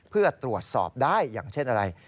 เพื่อตรวจสอบได้อย่างเช่นอะไร